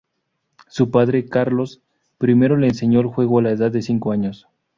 Su padre, Carlos, primero le enseñó el juego a la edad de cinco años.